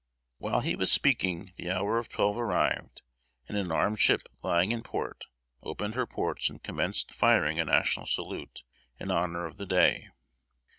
While he was speaking, the hour of twelve arrived, and an armed ship lying in port, opened her ports and commenced firing a national salute, in honor of the day.